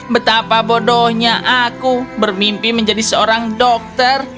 betapa bodohnya aku bermimpi menjadi seorang dokter